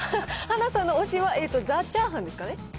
はなさんの推しはザ・チャーハンですかね？